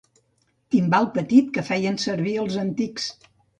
Timbal petit que feien servir els antics.